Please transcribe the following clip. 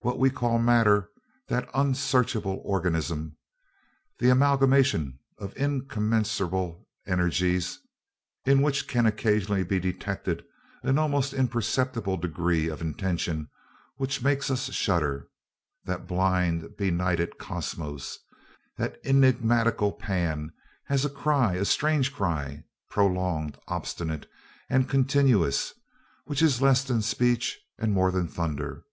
What we call matter, that unsearchable organism, that amalgamation of incommensurable energies, in which can occasionally be detected an almost imperceptible degree of intention which makes us shudder, that blind, benighted cosmos, that enigmatical Pan, has a cry, a strange cry, prolonged, obstinate, and continuous, which is less than speech and more than thunder.